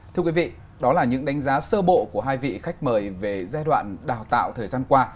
thưa quý vị đó là những đánh giá sơ bộ của hai vị khách mời về giai đoạn đào tạo thời gian qua